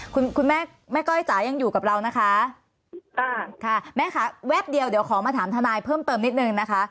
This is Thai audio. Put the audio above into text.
คุณคุณแม่แม่ก้อยจ๋ายังอยู่กับเรานะคะค่ะแม่ค่ะแวบเดียวเดี๋ยวขอมาถามทนายเพิ่มเติมนิดนึงนะคะ